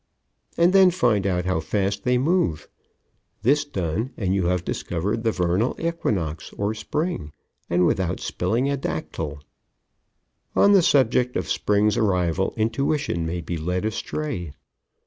and then find out how fast they move. This done and you have discovered the Vernal Equinox, or Spring, and without spilling a dactyl. [Illustration: "On the subject of spring's arrival intuition may be led astray."